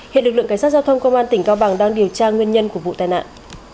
hiện lực lượng cảnh sát giao thông công an tỉnh cao bằng đang điều tra nguyên nhân của vụ tai nạn